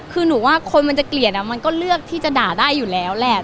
คือหนูว่าคนมันจะเกลียดมันก็เลือกที่จะด่าได้อยู่แล้วแหละ